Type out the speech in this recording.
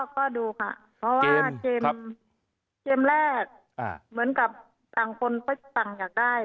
ก็ดูค่ะเพราะว่าเกมแรกเหมือนกับต่างคนก็ต่างอยากได้